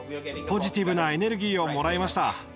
ポジティブなエネルギーをもらいました。